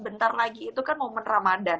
bentar lagi itu kan momen ramadan